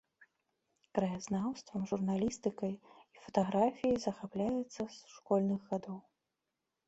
Краязнаўствам, журналістыкай і фатаграфіяй захапляецца з школьных гадоў.